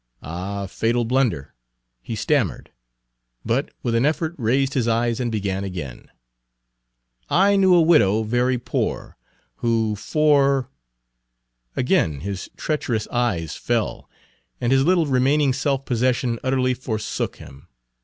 Ah, fatal blunder! He stammered, but with an effort raised his eyes and began again: Page 163 "I knew a widow very poor, Who four" Again his treacherous eyes fell, and his little remaining self possession utterly forsook him.